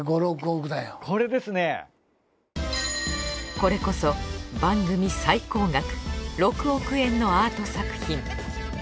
これこそ番組最高額６億円のアート作品。